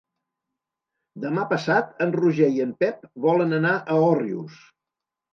Demà passat en Roger i en Pep volen anar a Òrrius.